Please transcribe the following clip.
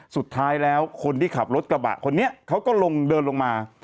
สุดท้ายแล้วคนที่ขับรถกระบะคนนี้เขาก็ลงเดินลงมา